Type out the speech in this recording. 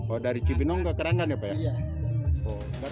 oh dari cibinong ke keranggan ya pak